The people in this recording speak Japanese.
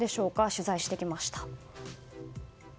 取材してきました。